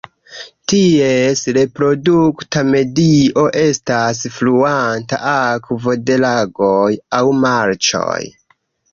Ties reprodukta medio estas fluanta akvo de lagoj aŭ marĉoj.